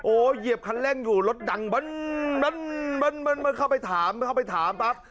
โอ้เหยียบคันแร่งอยู่รถดังบันบันบันเข้าไปถามเข้าไปถามปั๊บ